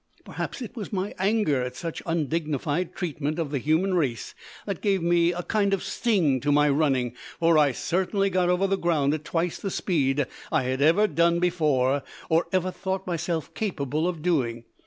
Perhaps it was my anger at such undignified treatment of the human race that gave a kind of sting to my running, for I certainly got over the ground at twice the speed I had ever done before, or ever thought myself capable of doing.